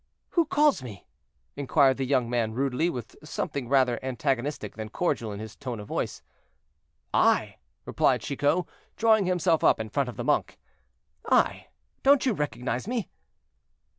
"Who calls me?" inquired the young man rudely, with something rather antagonistic than cordial in his tone of voice. "I!" replied Chicot, drawing himself up in front of the monk; "I! don't you recognize me?"